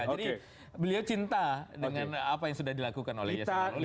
jadi beliau cinta dengan apa yang sudah dilakukan oleh yeson aluli